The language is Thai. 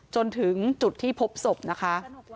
จนถึงจุดที่พบศพนะคะ